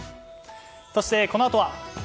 そして、このあとは。